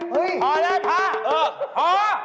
พอแล้วค่ะพอ